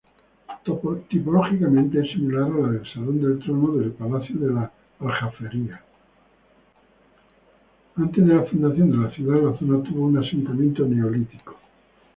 Antes de la fundación de la ciudad, la zona tuvo un asentamiento neolítico.